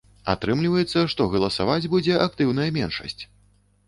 Атрымліваецца, што галасаваць будзе актыўная меншасць.